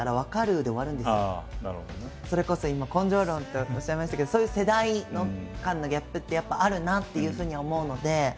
それこそ今「根性論」っておっしゃいましたけどそういう世代間のギャップってやっぱあるなっていうふうに思うので。